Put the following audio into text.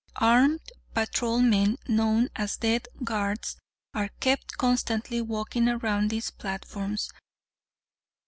Armed patrolmen, known as death guards, are kept constantly walking around these platforms.